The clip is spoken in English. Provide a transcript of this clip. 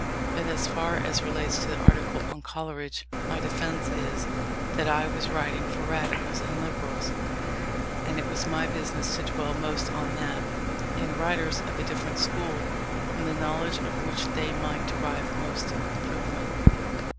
But as far as relates to the article on Coleridge, my defence is, that I was writing for Radicals and Liberals, and it was my business to dwell most on that, in writers of a different school, from the knowledge of which they might derive most improvement.